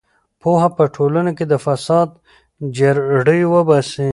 پوهه په ټولنه کې د فساد جرړې وباسي.